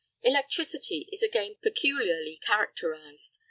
Electricity is again peculiarly characterised.